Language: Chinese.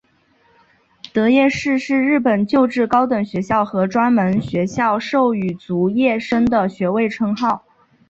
得业士是日本旧制高等学校和专门学校授与卒业生的学位称号。